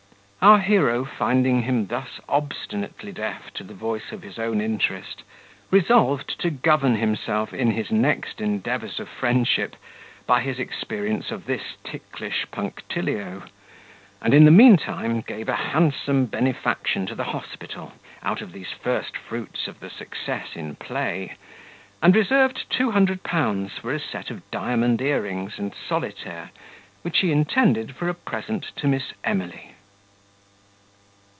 Our hero finding him thus obstinately deaf to the voice of his own interest, resolved to govern himself in his next endeavours of friendship, by his experience of this ticklish punctilio; and, in the meantime, gave a handsome benefaction to the hospital, out of these first fruits of the success in play, and reserved two hundred pounds for a set of diamond ear rings and solitaire, which he intended for a present to Miss Emily.